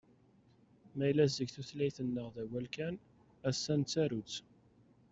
Ma yella zik tutlayt-nneɣ d awal kan, ass-a nettaru-tt.